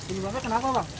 ini bakar kenapa bang